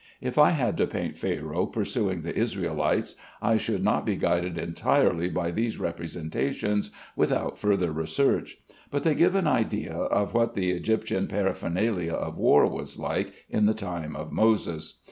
If I had to paint Pharaoh pursuing the Israelites, I should not be guided entirely by these representations without further research; but they give an idea of what the Egyptian paraphernalia of war was like in the time of Moses.